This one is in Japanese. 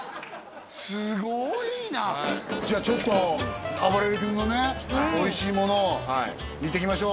すごいなじゃあちょっとあばれる君のねおいしいものを見ていきましょう